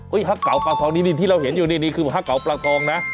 เฮ้ยฮักเก๋าปลาทองนี่ที่เราเห็นอยู่นี่นี่คือฮักเก๋าปลาทองนะ